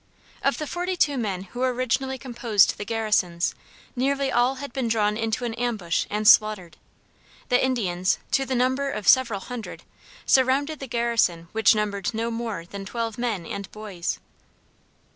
Of the forty two men who originally composed the garrisons, nearly all had been drawn into an ambush and slaughtered. The Indians, to the number of several hundred, surrounded the garrison which numbered no more than twelve men and boys.